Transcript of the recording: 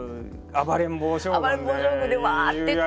暴れん坊将軍でうわ！っていって。